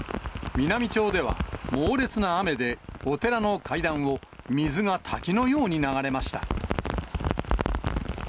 美波町では、猛烈な雨でお寺の階段を、水が滝のように流れました。